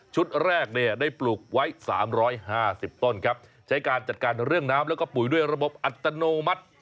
ชุดแรกได้ปลูกไว้๓๕๐ต้นใช้การจัดการเรื่องน้ำและปลูกด้วยระบบอัตโนมัติ